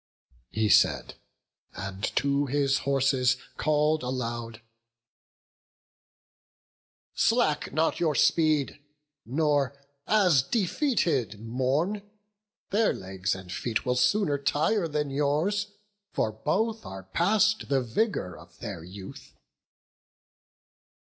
He said, and to his horses call'd aloud: "Slack not your speed, nor, as defeated, mourn; Their legs and feet will sooner tire than yours, For both are past the vigour of their youth."